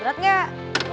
ya udah deh ikutin